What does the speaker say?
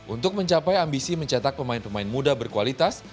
untuk mencapai ambisi mencetak pemain pemain muda berkualitas